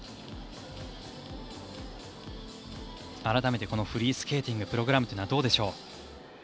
改めてフリースケーティングプログラムというのはどうでしょう？